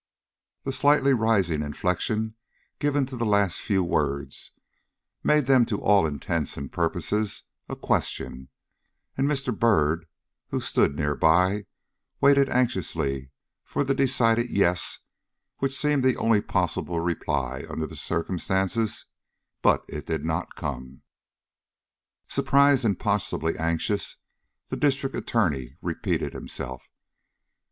The slightly rising inflection given to the last few words made them to all intents and purposes a question, and Mr. Byrd, who stood near by, waited anxiously for the decided Yes which seemed the only possible reply under the circumstances, but it did not come. Surprised, and possibly anxious, the District Attorney repeated himself.